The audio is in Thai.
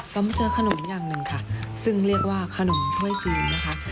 เรามาเจอขนมอย่างหนึ่งค่ะซึ่งเรียกว่าขนมถ้วยจีนนะคะ